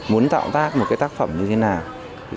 muốn tạo tác một cái tác phẩm như thế nào